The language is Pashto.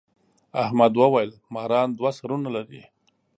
احمد وويل: ماران دوه سرونه لري.